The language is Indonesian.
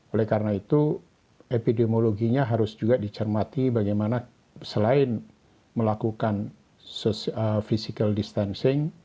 oleh karena itu epidemiologinya harus juga dicermati bagaimana selain melakukan physical distancing